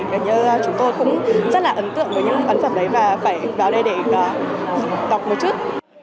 gần như chúng tôi cũng rất là ấn tượng với những ấn phẩm đấy và phải vào đây để đọc một chút